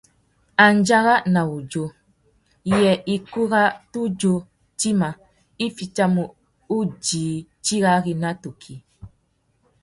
Andjara na wudjú : yê ikú râ tudju tïma i fitimú udjï tirari na tukí ?